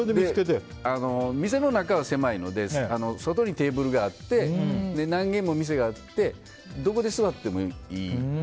店の中は狭いので外にテーブルがあって何軒も店があってどこで座ってもいい。